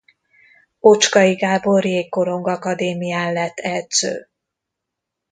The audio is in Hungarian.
Ocskay Gábor Jégkorong Akadémián lett edző.